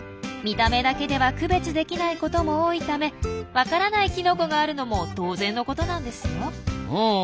見た目だけでは区別できないことも多いためわからないキノコがあるのも当然のことなんですよ。